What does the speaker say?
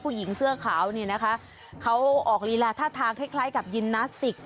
ผู้หญิงเสื้อขาวเนี่ยนะคะเขาออกลีลาท่าทางคล้ายคล้ายกับยินนาสติก